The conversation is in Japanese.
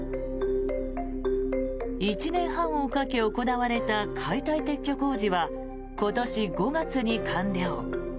１年半をかけ、行われた解体撤去工事は今年５月に完了。